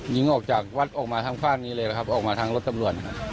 ยิงออกจากวัดออกมาทางข้างนี้เลยนะครับออกมาทางรถตำรวจครับ